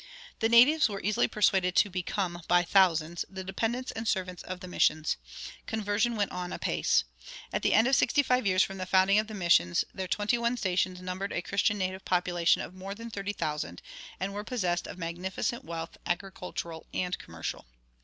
The natives were easily persuaded to become by thousands the dependents and servants of the missions. Conversion went on apace. At the end of sixty five years from the founding of the missions their twenty one stations numbered a Christian native population of more than thirty thousand, and were possessed of magnificent wealth, agricultural and commercial.